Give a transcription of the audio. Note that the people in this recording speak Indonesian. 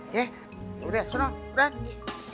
ya udah senang udah